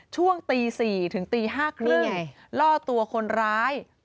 ช่วงตี๔ถึงตี๕๓๐ล่อตัวคนร้าย